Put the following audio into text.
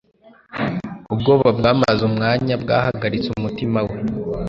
Ubwoba bwamaze umwanya bwahagaritse umutima we